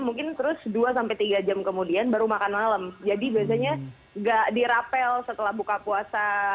mungkin terus dua tiga jam kemudian baru makan malam jadi biasanya enggak dirapel setelah buka puasa